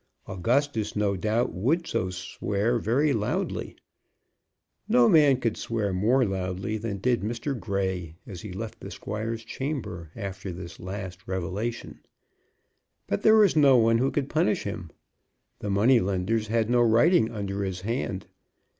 Augustus, no doubt, would so swear very loudly. No man could swear more loudly than did Mr. Grey as he left the squire's chamber after this last revelation. But there was no one who could punish him. The money lenders had no writing under his hand.